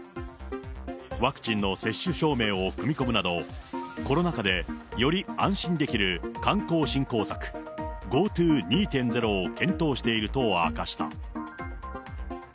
ワクチンの接種証明を組み込むなど、コロナ禍でより安心できる観光振興策、ＧｏＴｏ２．０を検討してといると明かした。